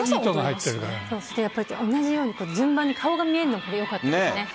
同じように順番に顔が見えるのもよかったですね。